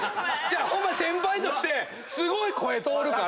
ホンマに先輩としてすごい声通るから。